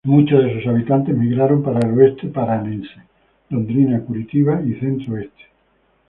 Muchos de sus habitantes migraron para el oeste paranaense, Londrina, Curitiba y Centro Oeste.